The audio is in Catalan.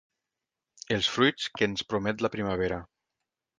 Els fruits que ens promet la primavera.